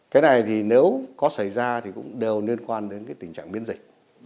cái này thì nếu có xảy ra thì cũng đều liên quan đến cái tình trạng biến dịch